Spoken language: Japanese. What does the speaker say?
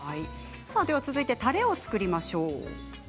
では続いてたれを作りましょう。